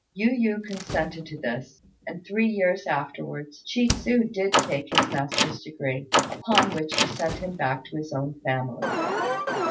Yu yü consented to this; and three years afterwards Chi tsu did take his master's degree, upon which he sent him back to his own family.